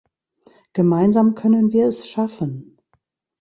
Gemeinsam können wir es schaffen.